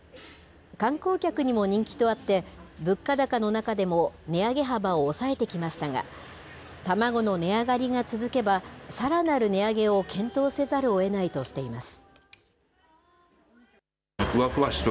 観光客にも人気とあって、物価高の中でも値上げ幅を抑えてきましたが、卵の値上がりが続けば、さらなる値上げを検討せざるをえないとしています。